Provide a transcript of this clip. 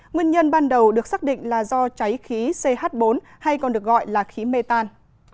nguyên nhân ban đầu được xác định là do cháy khí ch bốn hay còn được gọi là khí mê tan